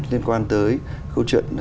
liên quan tới câu chuyện